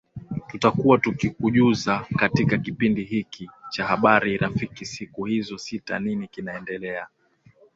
tutakuwa tukikujuza katika kipindi hiki cha habari rafiki siku hizo sita nini kinaendelea